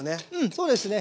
そうですね。